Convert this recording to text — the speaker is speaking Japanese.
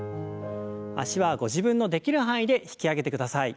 脚はご自分のできる範囲で引き上げてください。